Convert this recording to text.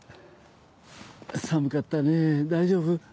寒かったねぇ大丈夫？